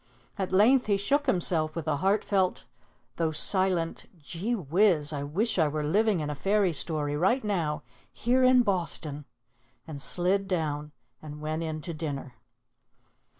At length he shook himself with a heartfelt though silent, "Gee whiz! I wish I were living in a fairy story right now, here in Boston," and slid down and went in to dinner.